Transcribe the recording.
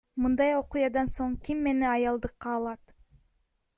Мындай окуядан соң ким мени аялдыкка алат?